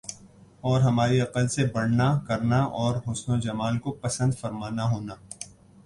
اور ہماری عقل سے بڑھنا کرنا اور حسن و جمال کو پسند فرمانا ہونا